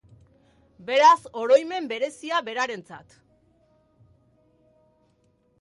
Beraz, oroimen berezia berarentzat.